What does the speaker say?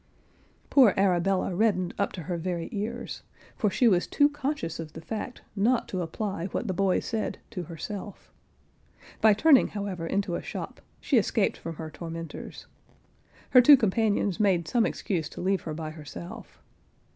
Poor Arabella reddened up to her very ears, for she was too conscious of the fact, not to apply what the boys said to herself. By turning, however, into a shop, she escaped from her tormenters. Her two companions made some excuse to leave her by herself.